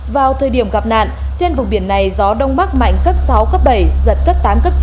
vào thời điểm gặp nạn trên vùng biển này gió đông bắc mạnh cấp sáu cấp bảy giật cấp tám cấp chín